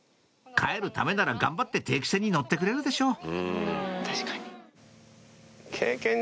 帰るためなら頑張って定期船に乗ってくれるでしょう